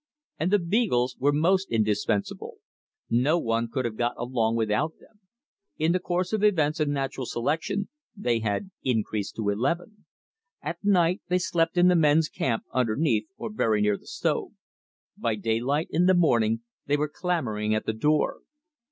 And the beagles were most indispensable. No one could have got along without them. In the course of events and natural selection they had increased to eleven. At night they slept in the men's camp underneath or very near the stove. By daylight in the morning they were clamoring at the door.